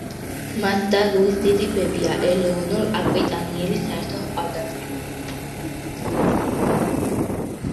მას და ლუის დიდი ბებია, ელეონორ აკვიტანიელი საერთო ჰყავდათ.